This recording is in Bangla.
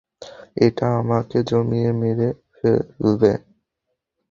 এটা আমাকে জমিয়ে মেরে ফেলবে।